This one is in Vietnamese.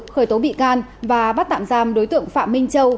khởi tố bị can và bắt tạm giam đối tượng phạm minh châu